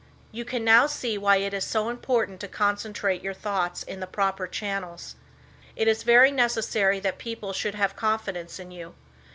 You can now see why it is so important to concentrate your thoughts in the proper channels. It is very necessary that people should have confidence in you.